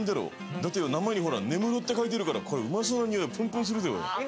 だって名前にほら根室って書いてるからこれうまそうな匂いプンプンするぜおい。